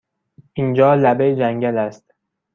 اینجا لبه جنگل است!